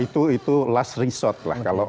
itu last resort lah